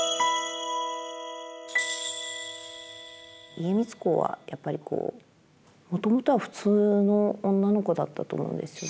家光公はやっぱりこうもともとは普通の女の子だったと思うんですよね。